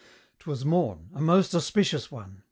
'Twas morn a most auspicious one!